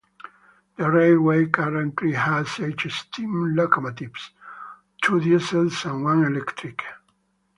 The railway currently has eight steam locomotives, two diesel and one electric.